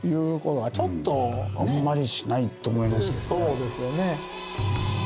そうですよね。